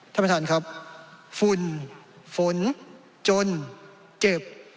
ท่านประธานครับฝุ่นฝนจนเจ็บ